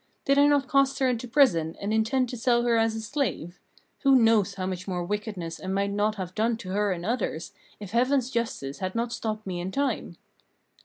Did I not cast her into prison, and intend to sell her as a slave? Who knows how much more wickedness I might not have done to her and others, if Heaven's justice had not stopped me in time?"